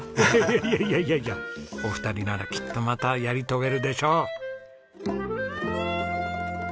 いやいやいやいやお二人ならきっとまたやり遂げるでしょう。